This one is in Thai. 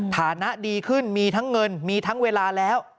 ฐานะดีขึ้นมีทั้งเงินมีทั้งเวลาแล้ว